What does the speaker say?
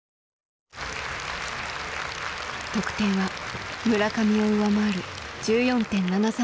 得点は村上を上回る１４．７３３。